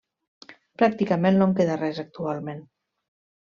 Pràcticament no en queda res actualment.